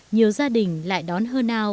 nhiều gia đình lại đón hơn ao